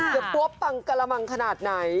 เสื้อตัวปังกระละมังขนาดไหน